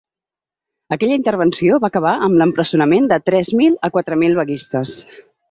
Aquella intervenció va acabar amb l’empresonament de tres mil a quatre mil vaguistes.